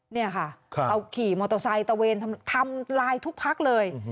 นี่ค่ะเอาขี่มอโตไซต์ตระเวนทำลายทุกภักดิ์เลย